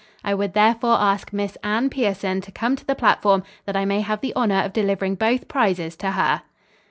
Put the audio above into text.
I would, therefore, ask Miss Anne Pierson to come to the platform, that I may have the honor of delivering both prizes to her."